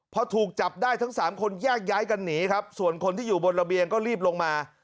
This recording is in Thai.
พอถูกจับได้ทั้งสามคนแยกย้ายกันหนีครับส่วนคนที่อยู่บนระเบียงก็รีบลงมา